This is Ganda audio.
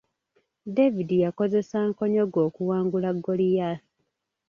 David yakozesa nkonyogo okuwangula Goliath.